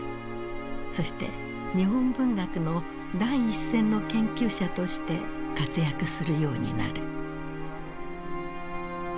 そして日本文学の第一線の研究者として活躍するようになる。